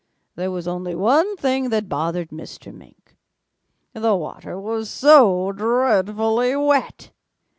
There was only one thing that bothered Mr. Mink. The water was so dreadfully wet!